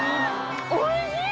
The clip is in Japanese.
おいしい！